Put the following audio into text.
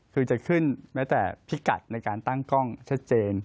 คือจะขึ้นแม้แต่พิกัดในการตั้งกล้องชัดเจน